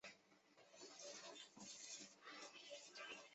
第一届赛事于丹麦首都哥本哈根主办。